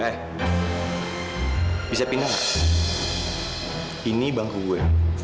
eh bisa pindah nggak ini bangku gue